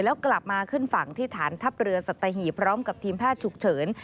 แล้วกลับมาขึ้นฝั่งที่ฐานทัพเรือสัตหีบพร้อมกับทีมแพทย์ฉุกเฉิน